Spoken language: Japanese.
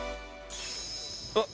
あっ！